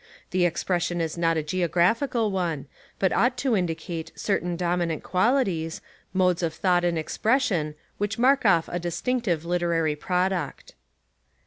The expression is not a geo graphical one, but ought to indicate certain dominant qualities, modes of thought and ex pression which mark off a distinctive literary product.